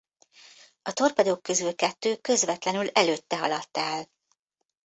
A torpedók közül kettő közvetlenül előtte haladt el.